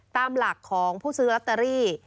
ตามหลักของผู้ซื้อลอตเตอรี่